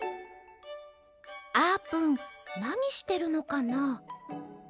あーぷんなにしてるのかな？